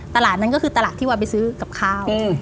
ตลาดนั้นก็คือตลาดที่วันไปซื้อกับข้าว